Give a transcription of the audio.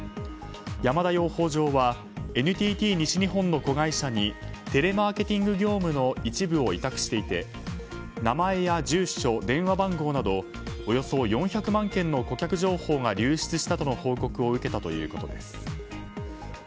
山田養蜂場はＮＴＴ西日本の子会社にテレマーケティング業務の一部を委託していて名前や住所、電話番号などおよそ４００万件の顧客情報が流出したとの報告を受けたということです。